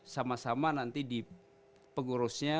sama sama nanti di pengurusnya